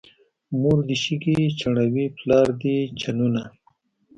مور دې شګې چڼوي، پلار دې چنونه.